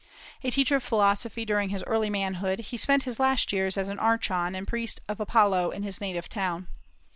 A teacher of philosophy during his early manhood, he spent his last years as archon and priest of Apollo in his native town.